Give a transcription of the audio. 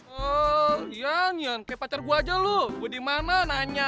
oh iya nyan kayak pacar gue aja lo gue dimana nanya